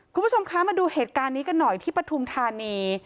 คุณผู้ชมคะมาดูเหตุการณ์นี้กันหน่อยที่ปฐุมธานี